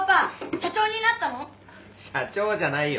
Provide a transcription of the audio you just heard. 社長じゃないよ